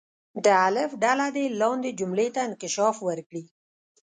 د الف ډله دې لاندې جملې ته انکشاف ورکړي.